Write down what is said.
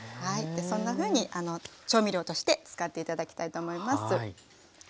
そんなふうに調味料として使って頂きたいと思います。